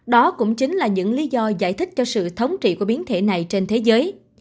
đó cũng chính là những lý do giải thích cho sự thống trị của biến thể này trên thế giới